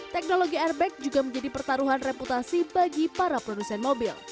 teknologi airbag juga menjadi pertaruhan reputasi bagi para produsen mobil